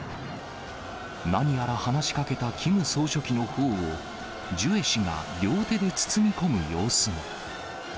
何やら話しかけたキム総書記のほほを、ジュエ氏が両手で包み込む様子も。